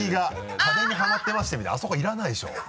「家電にハマってまして」みたいなあそこいらないでしょ。